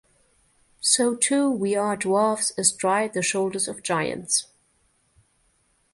So too we are dwarfs astride the shoulders of giants.